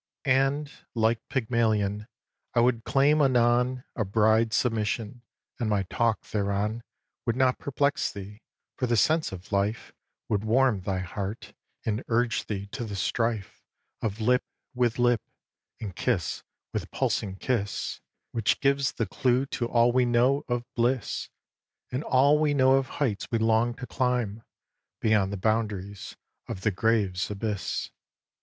vii. And, like Pygmalion, I would claim anon A bride's submission; and my talk thereon Would not perplex thee; for the sense of life Would warm thy heart, and urge thee to the strife Of lip with lip, and kiss with pulsing kiss, Which gives the clue to all we know of bliss, And all we know of heights we long to climb Beyond the boundaries of the grave's abyss.